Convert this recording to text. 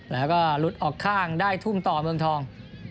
แล้วก็หลุดออกข้างได้ทุ่มต่อเมืองทอง